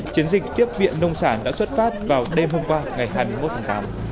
chiến dịch tiếp viện nông sản đã xuất phát vào đêm hôm qua ngày hai mươi một tháng tám